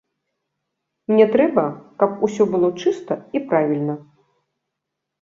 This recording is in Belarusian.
Мне трэба, каб усё было чыста і правільна.